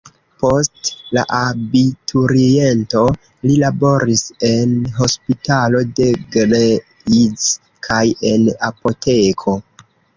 Post la abituriento, li laboris en hospitalo de Greiz kaj en apoteko.